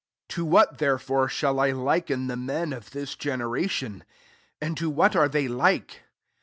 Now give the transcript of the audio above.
31 To Kt therefore shall I liken the 1 of this generation ? and to are they like?